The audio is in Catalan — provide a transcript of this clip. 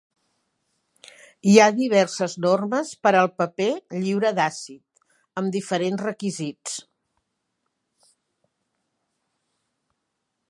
Hi ha diverses normes per al paper "lliure d'àcid", amb diferents requisits.